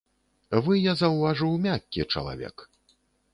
Вы, я заўважыў, мяккі чалавек.